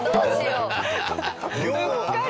うっかり。